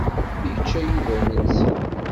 Yečča Yuba imensi?